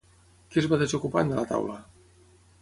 Què es va desocupant de la taula?